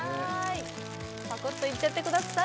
パクッといっちゃってください